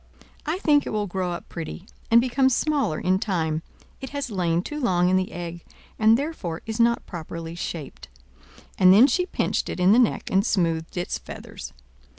I think it will grow up pretty, and become smaller in time; it has lain too long in the egg, and therefore is not properly shaped." And then she pinched it in the neck, and smoothed its feathers.